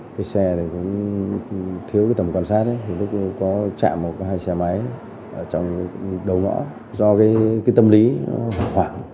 cái xe thì cũng thiếu cái tầm quan sát ấy lúc có chạm một hai xe máy ở trong đầu ngõ do cái tâm lý nó hoảng